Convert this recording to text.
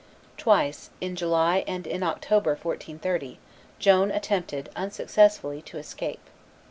Twice, in July and in October, 1430, Joan attempted, unsuccessfully, to escape.